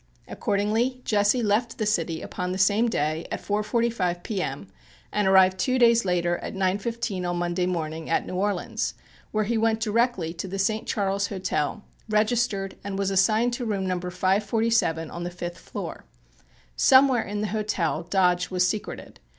Accordingly, Jesse left the city upon the same day at 4.45 P.M. and arrived two days later, at 9.15 on Monday morning, at New Orleans, where he went directly to the St. Charles Hotel, registered, and was assigned to room Number 547 on the fifth floor. Somewhere in the hotel Dodge was secreted.